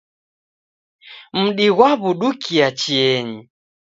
Mdi ghwaw'udukia chienyi